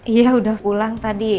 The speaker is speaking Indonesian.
iya udah pulang tadi